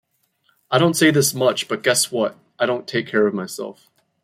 I don't say this much but guess what, I don't take care of myself.